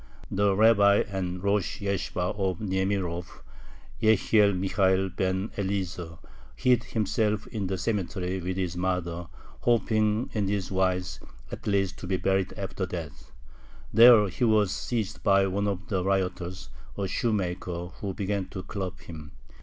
The Rabbi and Rosh Yeshibah of Niemirov, Jehiel Michael ben Eliezer, hid himself in the cemetery with his mother, hoping in this wise at least to be buried after death. There he was seized by one of the rioters, a shoemaker, who began to club him.